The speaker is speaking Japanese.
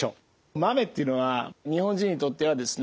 豆っていうのは日本人にとってはですね